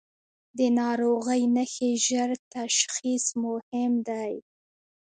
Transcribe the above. د ناروغۍ نښې ژر تشخیص مهم دي.